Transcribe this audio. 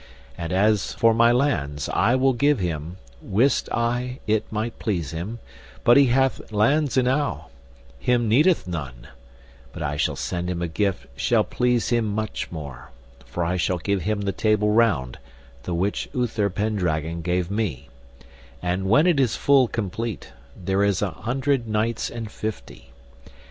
And as for my lands, I will give him, wist I it might please him, but he hath lands enow, him needeth none; but I shall send him a gift shall please him much more, for I shall give him the Table Round, the which Uther Pendragon gave me, and when it is full complete, there is an hundred knights and fifty.